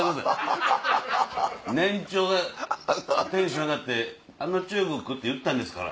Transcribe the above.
年長がテンション上がって「あの中国？」って言ったんです。